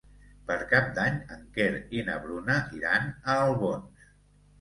Per Cap d'Any en Quer i na Bruna iran a Albons.